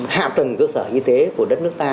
hạ tầng cơ sở y tế của đất nước ta